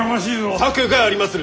策がありまする！